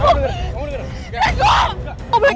kamu dengerin kamu dengerin